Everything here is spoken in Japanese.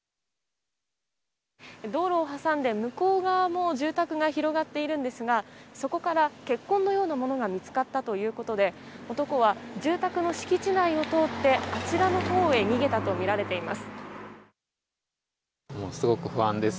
道路を挟んで向こう側も住宅が広がっているんですがそこから血痕のようなものが見つかったということで男は住宅の敷地内を通ってあちらのほうへ逃げたとみられています。